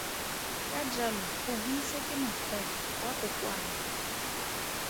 Ka jalo go buisa ke motheo wa go kwala.